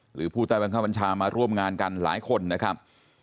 หรือผู้ใต้บังคับบัญชามาร่วมงานกันหลายคนนะครับ